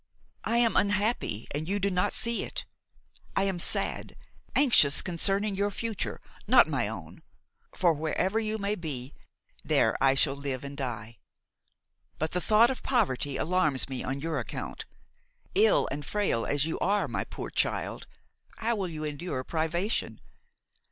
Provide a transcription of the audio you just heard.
I am unhappy and you do not see it. I am sad, anxious concerning your future, not my own; for, wherever you may be, there I shall live and die. But the thought of poverty alarms me on your account; ill and frail as you are, my poor child, how will you endure privation?